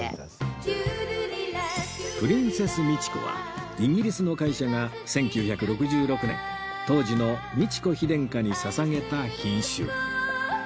プリンセス・ミチコはイギリスの会社が１９６６年当時の美智子妃殿下にささげた品種